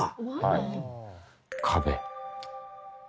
壁？